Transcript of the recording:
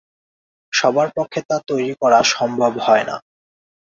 সবার পক্ষে তা তৈরি করা সম্ভব হয়না।